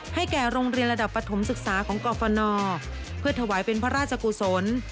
แก่โรงเรียนระดับปฐมศึกษาของกรฟนเพื่อถวายเป็นพระราชกุศล